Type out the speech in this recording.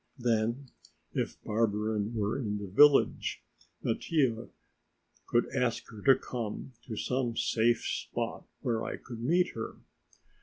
Then, if Barberin were in the village, Mattia could ask her to come to some safe spot where I could meet her.